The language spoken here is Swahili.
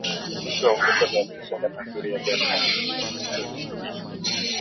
Upishi wa mvuke husababisha ladha nzuri ya viazi na kutunza virutubisho